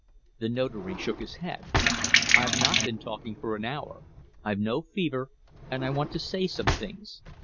The Notary shook his head. "I've not been talking for an hour, I've no fever, and I want to say some things.